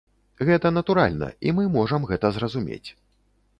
Гэта натуральна, і мы можам гэта зразумець.